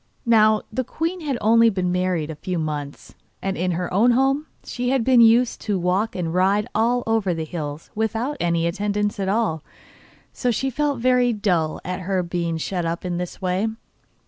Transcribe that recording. Now the queen had only been married a few months, and in her own home she had been used to walk and ride all over the hills without any attendants at all; so she felt very dull at her being shut up in this way.